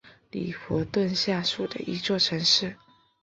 里弗顿下属的一座城市。